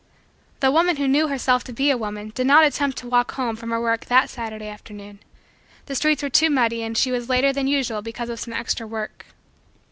The woman who knew herself to be a woman did not attempt to walk home from her work that Saturday afternoon. The streets were too muddy and she was later than usual because of some extra work.